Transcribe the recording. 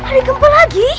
ada gempa lagi